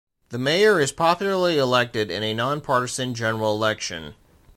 The mayor is popularly elected in a nonpartisan general election.